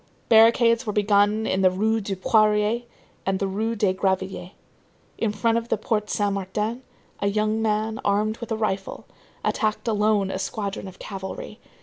Barricades were begun in the Rue du Poirier and the Rue des Gravilliers. In front of the Porte Saint Martin, a young man, armed with a rifle, attacked alone a squadron of cavalry.